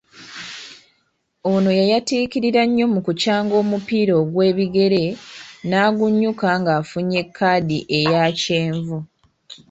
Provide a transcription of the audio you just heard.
Ono yayatiikirira nnyo mu kukyanga omupiira ogw’ebigere n’agunnyuka nga afunye kkaadi eya kyenvu.